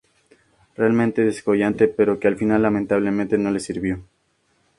Realmente descollante pero que al final lamentablemente no le sirvió.